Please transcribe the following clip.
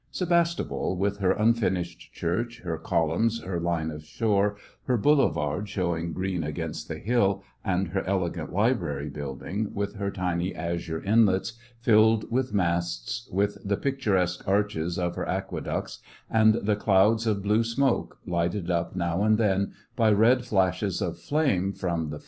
Sevastopol, with her unfinished church, her columns, her line of shore, her boulevard show ing green against the hill, and her elegant library building, with her tiny azure inlets, filled with masts, with the picturesque arches of her aque ducts, and the clouds of blue smoke, lighted up now and then by red flashes of flame from the SEVASTOPOL IN AUGUST.